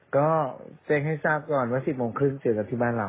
ก็แจ้งให้ทราบก่อนว่า๑๐โมงครึ่งเจอกันที่บ้านเรา